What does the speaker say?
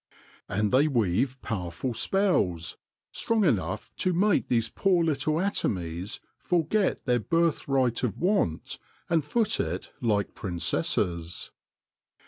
And they weave powerful spells, strong enough to make these poor little atomies forget their birthright of want and foot it like princesses.